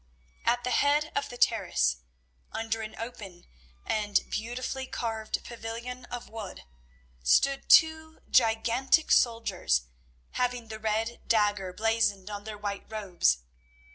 At the head of the terrace, under an open and beautifully carved pavilion of wood, stood two gigantic soldiers, having the red dagger blazoned on their white robes.